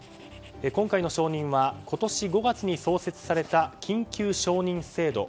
今回の承認は今年５月に創設された緊急承認制度。